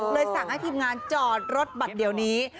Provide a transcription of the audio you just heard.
สั่งให้ทีมงานจอดรถบัตรเดี๋ยวนี้